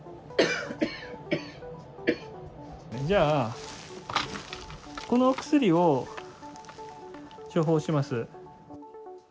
じゃあ、このお薬を処方します。